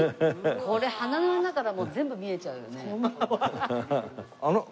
これ鼻の穴からもう全部見えちゃうよね。